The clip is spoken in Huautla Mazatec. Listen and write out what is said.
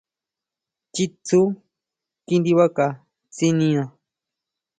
Chitsu kindibaca tsinina.